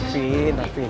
kak kak kak kak